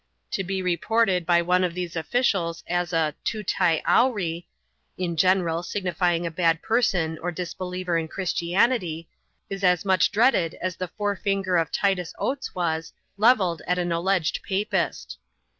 To be reported by one of these officials as a " Tootai Owree" (in general, signifying a bad* person or disbeliever in Christianity) is as much dreaded as the forefinger of Titus Gates was, levelled at an alleged papist.